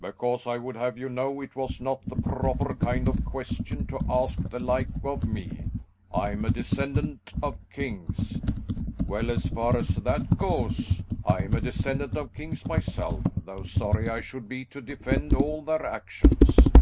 "Because I would have you know it was not the proper kind of question to ask the like of me. I am a descendant of kings." "Well, as far as that goes, I am a descendant of kings myself, though sorry I should be to defend all their actions."